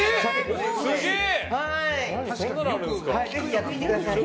すげえ！